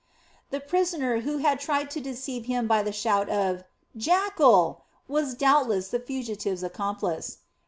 The prisoner who had tried to deceive him by the shout of 'jackal!' was doubtless the fugitive's accomplice.